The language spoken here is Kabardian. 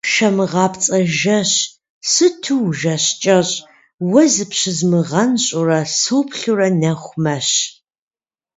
Шэмыгъапцӏэ жэщ, сыту ужэщ кӏэщӏ, уэ зыпщызмыгъэнщӏурэ, соплъурэ нэху мэщ.